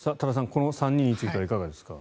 この３人についてはいかがですか？